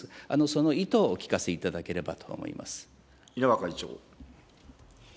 その意図をお聞かせいただければ稲葉会長。